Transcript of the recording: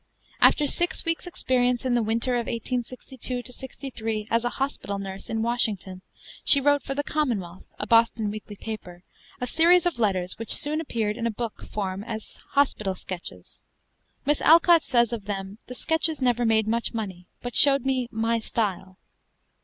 After six weeks' experience in the winter of 1862 63 as a hospital nurse in Washington, she wrote for the Commonwealth, a Boston weekly paper, a series of letters which soon appeared in book form as 'Hospital Sketches,' Miss Alcott says of them, "The 'Sketches' never made much money, but showed me 'my style.'"